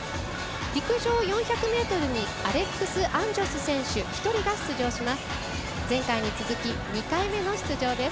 陸上４００ｍにアレックス・アンジョス選手１人が出場します。